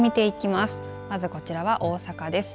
まず、こちらは大阪です。